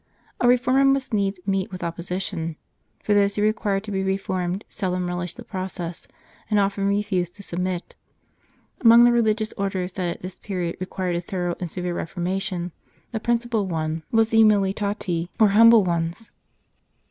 A reformer must needs meet with opposition, for those who require to be reformed seldom relish the process, and often refuse to submit. Among the Religious Orders that at this period required a thorough and severe reformation, the principal one was the Umiliati or Humble Ones.